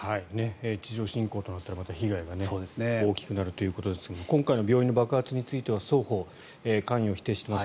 地上侵攻となったらまた被害が大きくなるということですが今回の病院の爆発については双方、関与を否定しています。